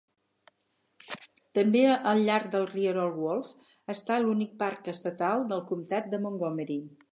També al llarg del rierol Wolf està l'únic parc estatal del comtat de Montgomery.